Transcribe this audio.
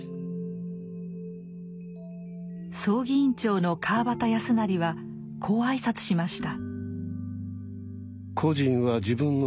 葬儀委員長の川端康成はこう挨拶しました。